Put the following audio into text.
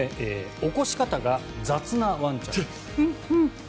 起こし方が雑なワンちゃんです。